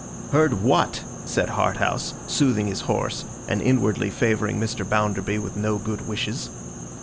'Heard what?' said Harthouse, soothing his horse, and inwardly favouring Mr. Bounderby with no good wishes.